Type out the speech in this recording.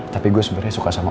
tapi gue sebenarnya suka sama